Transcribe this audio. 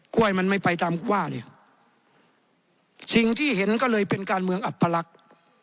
้วยมันไม่ไปตามว่าเนี่ยสิ่งที่เห็นก็เลยเป็นการเมืองอับพลักษณ์